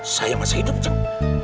saya masih hidup jeng